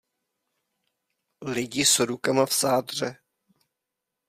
Lidi s rukama v sádře.